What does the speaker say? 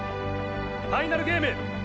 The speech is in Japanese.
ファイナルゲーム！